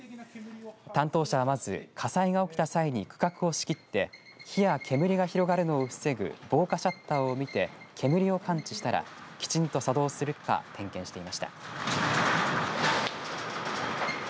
担当者はまず火災が起きた際に区画を仕切って火や煙が広がるのを防ぐ防火シャッターを見て煙を感知したらきちんと作動するか点検していました。